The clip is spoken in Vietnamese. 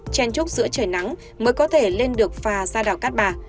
chen trúc giữa trời nắng mới có thể lên được phà ra đảo cát bà